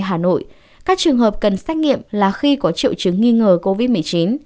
hà nội các trường hợp cần xét nghiệm là khi có triệu chứng nghi ngờ covid một mươi chín